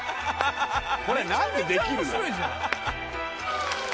これ何でできるの？